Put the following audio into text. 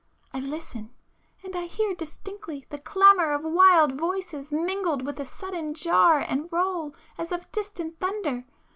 I listen,—and I hear distinctly the clamour of wild voices mingled with a sullen jar and roll as of distant thunder!